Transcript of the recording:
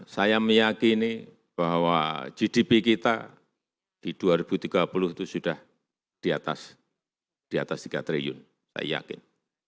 saya meyakini bahwa gdp kita di dua ribu tiga puluh itu sudah di atas tiga triliun saya yakin